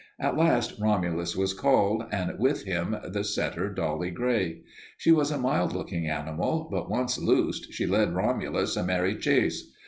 At last Romulus was called, and with him the setter Dolly Grey. She was a mild looking animal, but once loosed she led Romulus a merry chase.